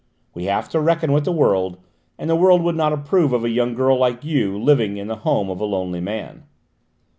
We have to reckon with the world, and the world would not approve of a young girl like you living in the home of a lonely man."